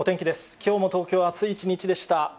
きょうも東京は暑い一日でした。